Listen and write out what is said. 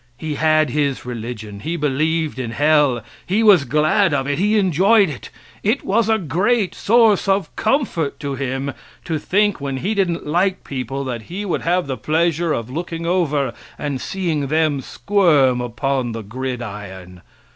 He had his religion he believed in hell; he was glad of it; he enjoyed it; it was a great source of comfort to him to think when he didn't like people that he would have the pleasure of looking over and seeing them squirm upon the gridiron.